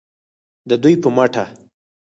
د دوی په مټه